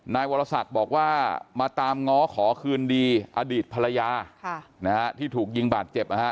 นายวรศักดิ์บอกว่ามาตามง้อขอคืนดีอดีตภรรยาที่ถูกยิงบาดเจ็บนะฮะ